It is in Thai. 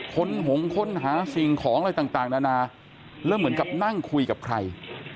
คนหงค้นหาสิ่งของอะไรต่างนานาแล้วเหมือนกับนั่งคุยกับใคร